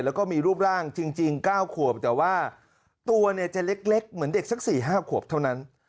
แล้วก็มีรูปร่างจริง๙ขวบแต่ว่าตัวเนี่ยจะเล็กเหมือนเด็กสัก๔๕ขวบเท่านั้น